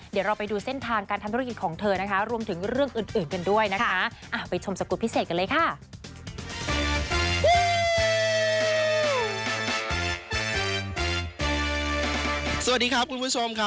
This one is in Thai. เดี๋ยวเราไปดูเส้นทางการทำธุรกิจของเธอนะคะรวมถึงเรื่องอื่นกันด้วยนะคะ